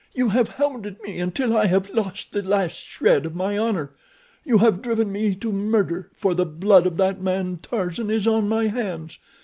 "You have hounded me until I have lost the last shred of my honor. You have driven me to murder, for the blood of that man Tarzan is on my hands.